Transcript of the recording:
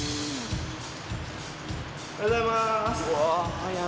おはようございます。